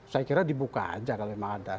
saya kira dibuka aja kalau memang ada